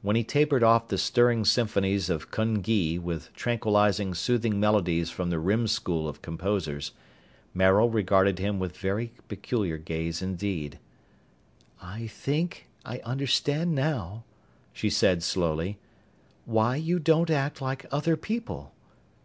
When he tapered off the stirring symphonies of Kun Gee with tranquilizing, soothing melodies from the Rim School of composers, Maril regarded him with a very peculiar gaze indeed. "I think I understand now," she said slowly, "why you don't act like other people.